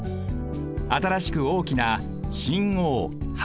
新しく大きな新大橋。